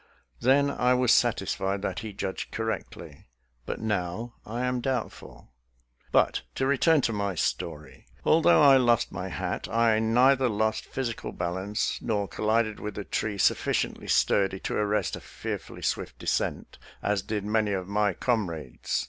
Then I was satisfied that he judged correctly, but now I am doubtful. But, to return to my story. Although I lost my hat, I neither lost physical balance nor col lided with a tree sufficiently sturdy to arrest a fearfully swift descent, as did many of my com rades.